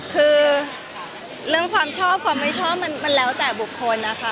คือเรื่องความชอบความไม่ชอบมันแล้วแต่บุคคลนะคะ